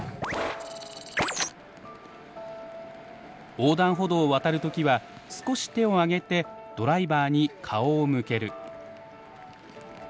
横断歩道を渡る時は少し手を上げてドライバーに顔を向ける。